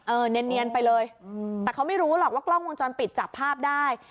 เนียนไปเลยแต่เขาไม่รู้หรอกว่ากล้องวงจรปิดจับภาพได้